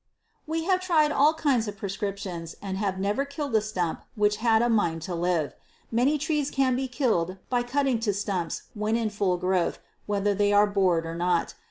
We have tried all kinds of prescriptions and have never killed a stump which had a mind to live. Many trees can be killed by cutting to stumps when in full growth, whether they are bored or not.